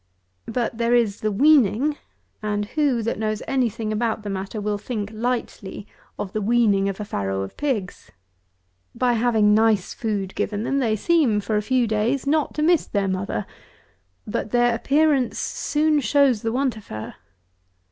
But there is the weaning; and who, that knows any thing about the matter, will think lightly of the weaning of a farrow of pigs! By having nice food given them, they seem, for a few days, not to miss their mother. But their appearance soon shows the want of her.